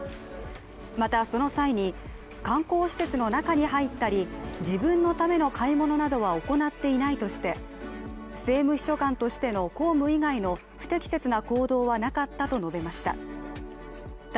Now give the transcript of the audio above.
また、その際に観光施設の中に入ったり自分のための買い物などは行っていないとして、政務秘書官としての公務以外の不適切な行動はなかったと述べました。